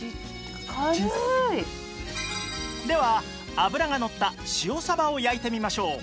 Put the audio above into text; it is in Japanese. では脂がのった塩サバを焼いてみましょう